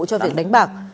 cho việc đánh bạc